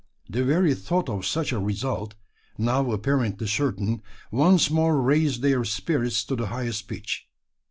The very thought of such a result now apparently certain once more raised their spirits to the highest pitch.